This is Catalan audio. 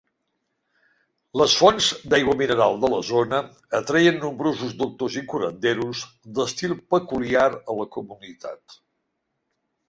Les fonts d'aigua mineral de la zona atreien nombrosos doctors i curanderos d'estil peculiar a la comunitat.